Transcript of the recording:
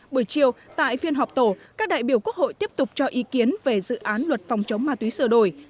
buổi chiều tại phiên họp tổ các đại biểu quốc hội tiếp tục cho ý kiến về dự án luật phòng chống ma túy sửa đổi